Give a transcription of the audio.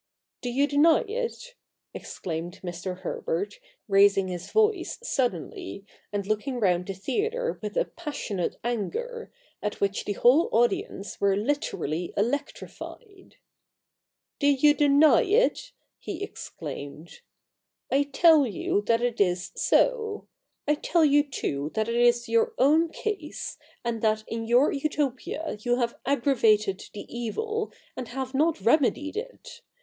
Do you deny it ?' exclaimed Mr. Herbert, raising his voice suddenly and looking round the theatre with a passionate anger, at which the whole audience were literally electrified. ' Do you deny it ?' he exclaimed. ' I tell you that it is so. I tell you too that that is your own case, and that in your Utopia you have aggravated the evil, and have not remedied it.